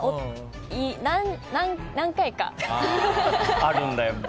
あるんだやっぱ。